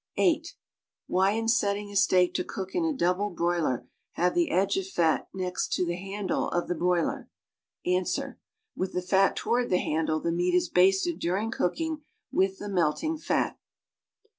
(S) Wliy in setting a steak to eook in a clouhle broiler have the edge of fat next the handle of the Iiroiler!^ Ans. With the fat toward the handle the meat is basted during cooking with the melting fttt.